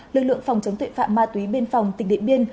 lực lượng phòng chống tội phạm ma túy biên phòng tỉnh điện biên